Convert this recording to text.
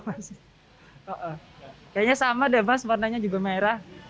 kayaknya sama deh mas warnanya juga merah